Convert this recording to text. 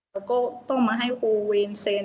แล้วก็ต้องมาให้ครูเวรเซ็น